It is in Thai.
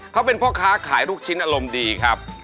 เขาเป็นพ่อค้าขายลูกชิ้นอารมณ์ดีครับ